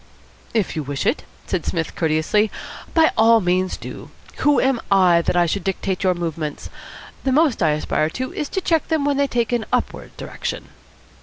"If you wish it," said Psmith courteously, "by all means do. Who am I that I should dictate your movements? The most I aspire to is to check them when they take an upward direction."